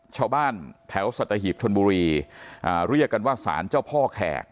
ชาวบ้านแถวสัตหีบชนบุรีเรียกกันว่าสารเจ้าพ่อแขก